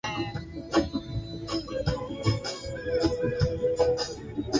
elizabeth alikuwa malkia kwa miaka sitini na nne